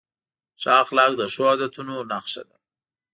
ښه اخلاق د ښو عادتونو نښه ده.